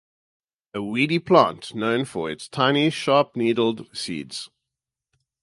A weedy plant known for its tiny sharp-needled seeds.